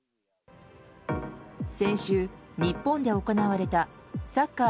先週、日本で行われたサッカー